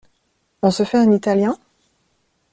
On se fait un italien?